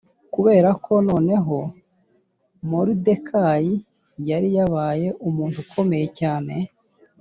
Kubera ko noneho Moridekayi yari yabaye umuntu ukomeye cyane